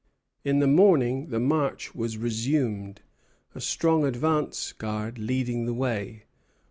In the morning the march was resumed, a strong advance guard leading the way.